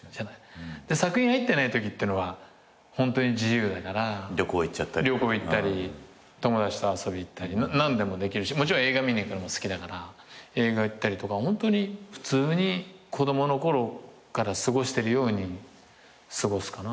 作品入ってないときってのはホントに自由だから旅行行ったり友達と遊び行ったり何でもできるしもちろん映画見に行くのも好きだから映画行ったりとかホントに普通に子供の頃から過ごしてるように過ごすかな。